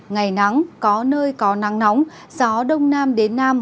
ngày nắng có nơi có nắng nóng gió đông nam đến nam